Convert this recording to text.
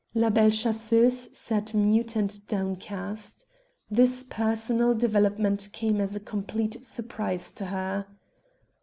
La Belle Chasseuse sat mute and downcast. This personal development came as a complete surprise to her.